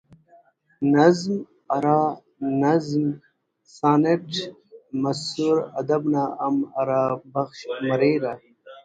نظم، آزاد نظم، سانیٹ منثور ادب نا ہم اِرا بشخ مریرہ